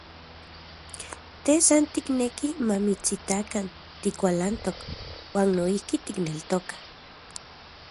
Te san tikneki mamitsitakan tikualantok, uan noijki tikneltokaj.